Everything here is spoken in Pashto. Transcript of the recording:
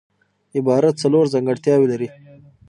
عبارت څلور ځانګړتیاوي لري.